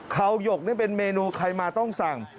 เขาหยกนี่เป็นเมนูใครมาต้องสั่ง